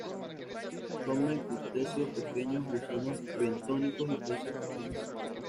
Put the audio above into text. Come crustáceos pequeños, gusanos bentónicos y peces pequeños.